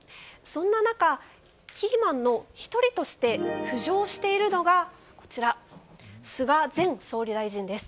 そんな中、キーマンの１人として浮上しているのが菅前総理大臣です。